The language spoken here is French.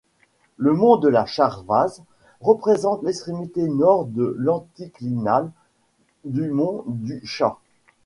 Le mont de la Charvaz représente l'extrémité nord de l'anticlinal du mont du Chat.